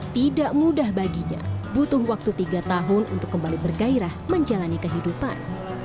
tidak mudah baginya butuh waktu tiga tahun untuk kembali bergairah menjalani kehidupan